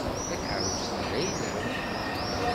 Takeṛṛust-a d ayla-w.